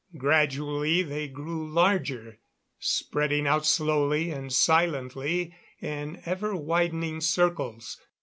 Gradually they grew larger, spreading out slowly and silently in ever widening circles.